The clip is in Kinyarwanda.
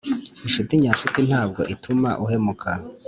inshuti nyanshuti ntabwo ituma uhemuka